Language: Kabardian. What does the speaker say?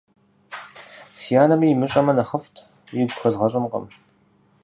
Си анэми имыщӀэмэ нэхъыфӀщ, игу хэзгъэщӀынкъым.